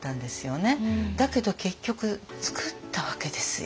だけど結局つくったわけですよ。